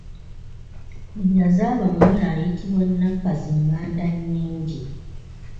Ye yazaala omuwala ayitibwa Nakkazingandannyingi.